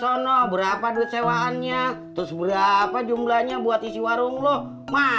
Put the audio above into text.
uno berapa duit sewaannya terus berapa jumlahnya buat isi warung js lu ashley begitu baju keinen